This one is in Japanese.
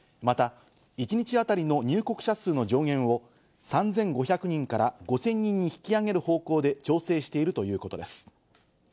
また、一日あたりの入国者数の上限を３５００人から５０００人に引き上げる方向で調整しているということです。